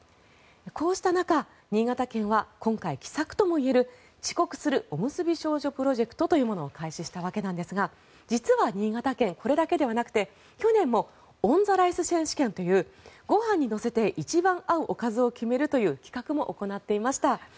こうした中、新潟県は今回、奇策ともいえる遅刻するおむすび少女プロジェクトというものを開始したわけなんですが実は新潟県、これだけではなくて去年もオンザライス選手権というご飯に乗せて一番合うおかずを決めるという企画も行っていました。